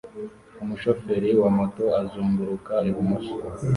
Umushoferi wa moto azunguruka ibumoso